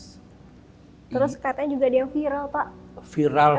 terus katanya juga ada yang viral pak